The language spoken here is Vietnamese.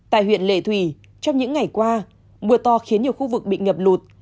tại huyện lệ thủy trong những ngày qua mưa to khiến nhiều khu vực bị ngập lụt